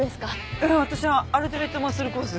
いや私はアルティメット・マッスルコース。